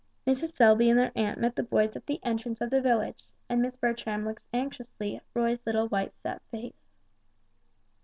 Mrs. Selby and their aunt met the boys at the entrance of the village, and Miss Bertram looked anxiously at Roy's little white set face.